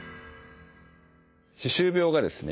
歯周病がですね